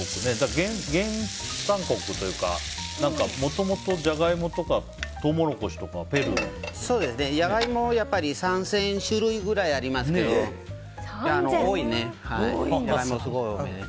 原産国というかもともとジャガイモとかトウモロコシとかジャガイモは３０００種類くらいありますけど多いね。